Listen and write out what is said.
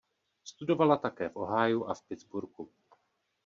Studovala také v Ohiu a v Pittsburghu.